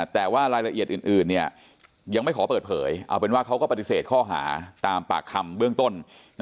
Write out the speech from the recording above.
แต่ว่ารายละเอียดอื่นยังไม่ขอเปิดเผยเอาเป็นว่าเขาก็ปฏิเสธข้อหาตามปากคำเบื้องต้น